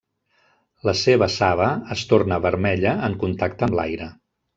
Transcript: La seva saba es torna vermella en contacte amb l'aire.